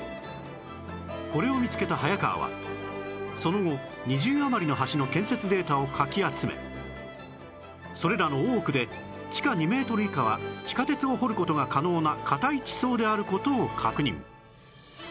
これを見つけた早川はその後２０余りの橋の建設データをかき集めそれらの多くで地下２メートル以下は地下鉄を掘る事が可能な固い地層である事を確認